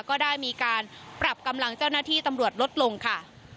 ก็ได้มีการปรับกำลังเจ้าหน้าที่ตำรวจลดลงค่ะ